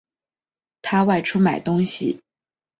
他外出买东西